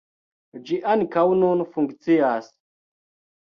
Ĝi ankaŭ nun funkcias.